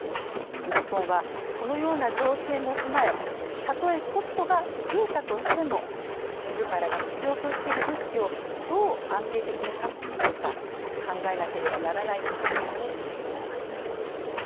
日本は、このような情勢も踏まえたとえコストが増えたとしてもみずからが必要としている物資をどう安定的に確保するか考えなければならない局面にきています。